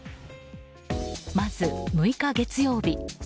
まず、６日月曜日。